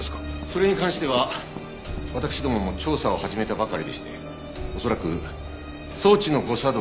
それに関しては私どもも調査を始めたばかりでして恐らく装置の誤作動が原因かと。